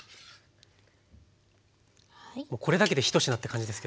これだけで１品って感じですけどね。